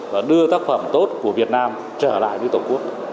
và đưa tác phẩm tốt của việt nam trở lại với tổ quốc